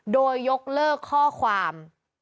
โดยยกเลิกข้อความ